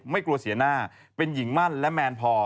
ไม่กลัวเสียหน้าเป็นหญิงมั่นและแมนพอ